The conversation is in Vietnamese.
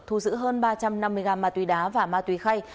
thu giữ hơn ba trăm năm mươi g mạc túy đá và mạc túy khay